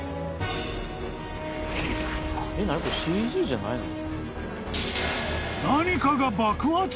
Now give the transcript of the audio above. ＣＧじゃないの？